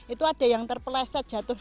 itu ada yang terpeleset jatuh